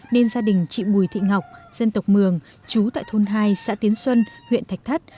nên gia đình chị bùi thị ngọc dân tộc mường chú tại thôn hai xã tiến xuân huyện thạch thất